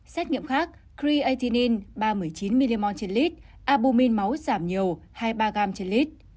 xét nghiệm khác creatinine ba mươi chín mg trên lít albumin máu giảm nhiều hai mươi ba g trên lít